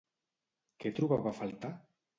Què trobava a faltar?